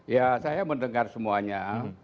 ya saya mendengar semuanya